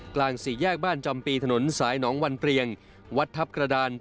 กลางสี่แยกบ้านจำปีถนนสายหนองวันเปลียงวัดทัพกระดาน